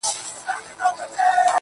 د زمان رحم ـ رحم نه دی؛ هیڅ مرحم نه دی,